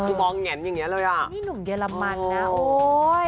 คือมองแงนอย่างเงี้เลยอ่ะนี่หนุ่มเยอรมันนะโอ้ย